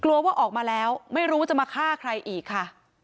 กลัวว่าออกมาแล้วไม่รู้จะมาฆ่าใครอีกค่ะ